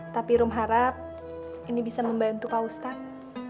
tapi rum harap ini bisa membantu pak ustadz